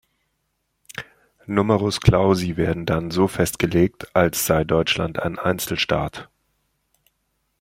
Numerus clausi werden dann so festgelegt, als sei Deutschland ein Einzelstaat.